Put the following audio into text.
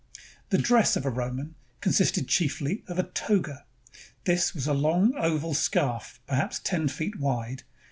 The dress of a Roman consisted chiefly of a "toga." This was a long oval scarf, perhaps ten feet wide.